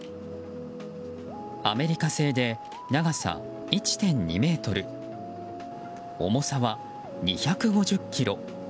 アメリカ製で長さ１．２ｍ、重さは２５０ｋｇ。